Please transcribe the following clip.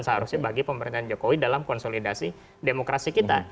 seharusnya bagi pemerintahan jokowi dalam konsolidasi demokrasi kita